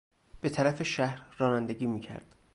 به طرف شهر رانندگی میکرد.